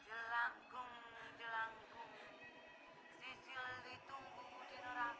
jalan kung jalan se di sini ada pesta besar besaran